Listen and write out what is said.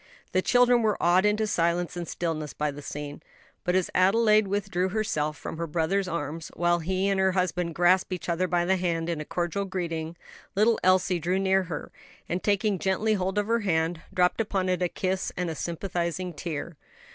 The children were awed into silence and stillness by the scene; but as Adelaide withdrew herself from her brother's arms, while he and her husband grasped each other by the hand in a cordial greeting, little Elsie drew near her, and taking gently hold of her hand, dropped upon it a kiss and a sympathizing tear.